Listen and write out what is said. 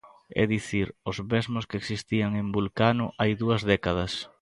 É dicir, os mesmos que existían en Vulcano hai dúas décadas.